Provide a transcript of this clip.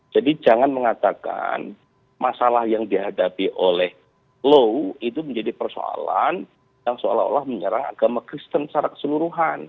jadi jangan mengatakan masalah yang dihadapi oleh low itu menjadi persoalan yang seolah olah menyerang agama kristen secara keseluruhan